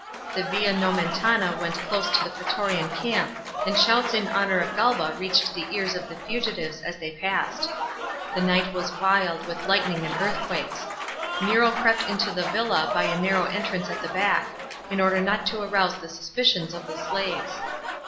The Via Nomentana went close to the praetorian camp and shouts in honour of Galba reached the ears of the fugitives as they passed. The night was wild, with lightning and earthquakes. Nero crept into the villa by a narrow entrance at the back, in order not to arouse the suspicions of the slaves.